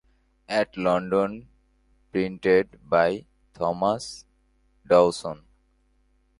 At London printed by Thomas Dawson.